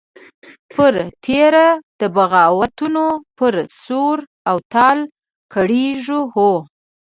پر تېر د بغاوتونو پر سور او تال کرېږې وهو.